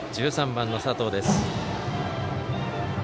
１３番の佐藤です。